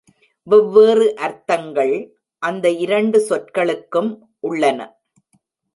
வெவ்வேறு அர்த்தங்கள் அந்த இரண்டு சொற்களுக்கும் உள்ளன.